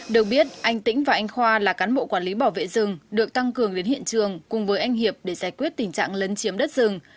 được biết anh tĩnh và anh khoa là cán bộ quản lý bảo vệ rừng được tăng cường đến hiện trường cùng với anh hiệp để giải quyết tình trạng lấn chiếm đất rừng